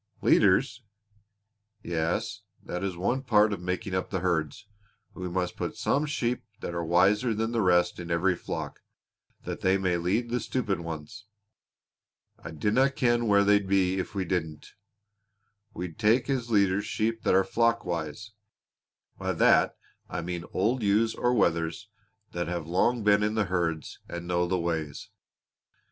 "Leaders?" "Yes. That is one part of making up the herds. We must put some sheep that are wiser than the rest in every flock that they may lead the stupid ones. I dinna ken where they'd be if we didn't. We take as leaders sheep that are 'flock wise' by that I mean old ewes or wethers that have long been in the herds and know the ways.